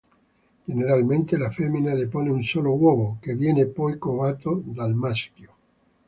Generalmente la femmina depone un solo uovo, che viene poi covato dal maschio.